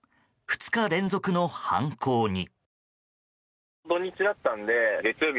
２日連続の犯行に。